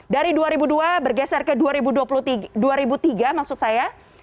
dari dua ribu dua bergeser ke dua ribu tiga maksud saya